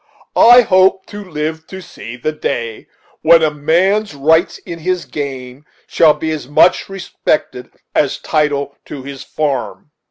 I hope to live to see the day when a man's rights in his game shall be as much respected as his title to his farm."